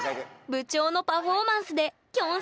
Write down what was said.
部長のパフォーマンスできょん